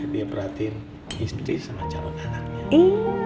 dia perhatiin istri sama calon anaknya